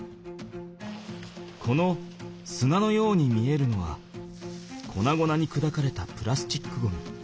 この砂のように見えるのはこなごなにくだかれたプラスチックゴミ。